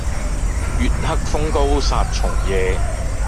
月黑風高殺蟲夜